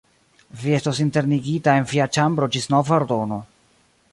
Vi estos internigita en via ĉambro ĝis nova ordono.